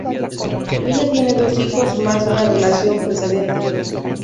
Ella tiene dos hijos más de una relación precedente.